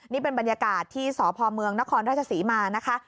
นี่เป็นบรรยากาศที่สพเมืองนครราชศรีมานะคะ